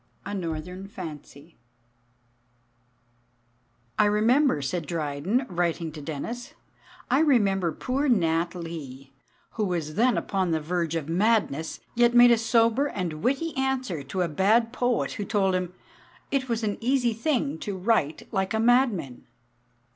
A NORTHERN FANCY "I remember," said Dryden, writing to Dennis, "I remember poor Nat Lee, who was then upon the verge of madness, yet made a sober and witty answer to a bad poet who told him, 'It was an easy thing to write like a madman.'